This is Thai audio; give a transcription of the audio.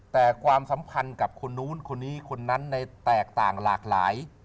แต่ความสัมพันธ์กับคนนู้นคนนี้คนนั้นในแตกต่างหลากหลาย